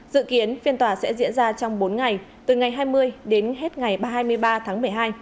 dự kiến phiên tòa sẽ diễn ra trong bốn ngày từ ngày hai mươi đến hết ngày hai mươi ba tháng một mươi hai